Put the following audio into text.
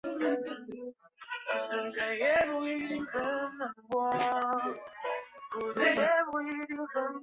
宇宙加速膨胀是现代宇宙学的最大难题之一。